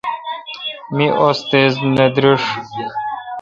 می استیز نہ دریݭ۔